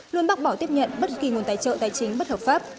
luôn bác bỏ tiếp nhận bất kỳ nguồn tài trợ tài chính bất hợp pháp